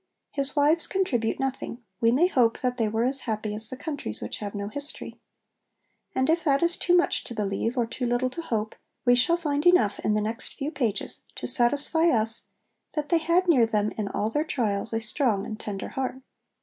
His wives contribute nothing; we may hope that they were as happy as the countries which have no history. And if that is too much to believe or too little to hope we shall find enough in the next few pages to satisfy us that they had near them in all their trials a strong and tender heart.